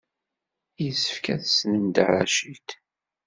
Yessefk ad tessnem Dda Racid.